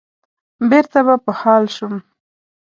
بېرته به په حال شوم.